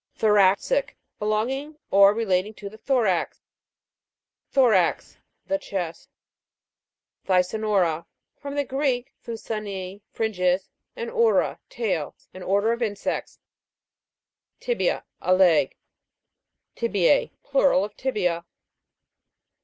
THORA'CIC. Belonging or relating to the thorax. THO'RAX. The chest. THYSANOU'RA. From the Greek, thusanai, fringes, and oura, tail. An order of insects. TI'BIA. A leg. TI'BIJE. Plural of tibia.